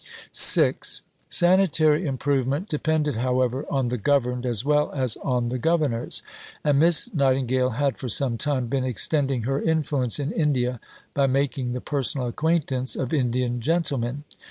VI Sanitary improvement depended, however, on the governed as well as on the governors; and Miss Nightingale had for some time been extending her influence in India by making the personal acquaintance of Indian gentlemen.